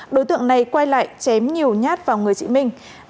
đối tượng này quay lại chém nhiều nhát vào người chị minh